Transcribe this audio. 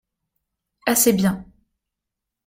Assez bien.